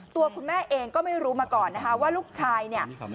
ตัวคุณแม่เองก็ไม่รู้มาก่อนนะคะว่าลูกชายเนี่ย